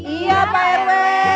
iya pak rw